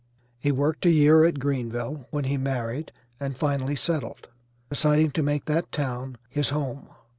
He worked a year at Greenville when he married, and finally settled, deciding to make that town his home.